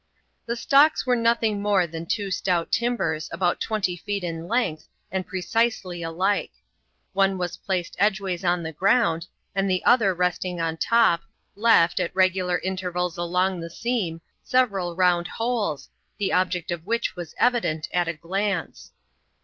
The stocks were nothing more than two stout timbers, about twentjr feet in length, and preciaeVy ilvka. One was placed CHAP. XXXI.] THE CALABOOZA BERET ANEE. 119 edgeways on the ground, and the other resting on top, left, at regular intervals along the seam, several round holes, the object of which was evident at a glance.